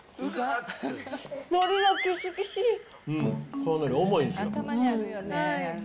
こののり、重いですよ。